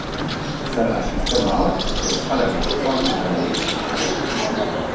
Zerga-sistema hau Euskal Herria osoan erabilia izan zen.